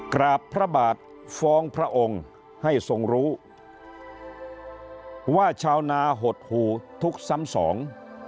กราบพระบาทฟ้องพระองค์ให้ทรงรู้ว่าชาวนาหดหูทุกข์ซ้ำสอง